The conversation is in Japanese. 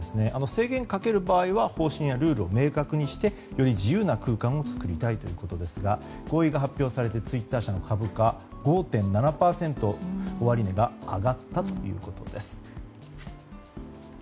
制限をかける場合は方針やルールを明らかにしてより自由な空間を作りたいということですが合意が発表されてツイッター社の株価５．８％終値が上がったということです。